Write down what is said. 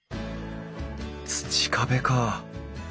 土壁か。